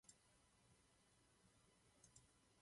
To není fér vůči poslancům, kteří zde celý večer čekají.